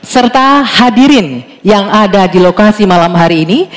serta hadirin yang ada di lokasi malam hari ini